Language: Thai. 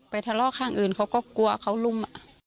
ไปทะเลาะข้างอื่นเขาก็กลัวลุ่ม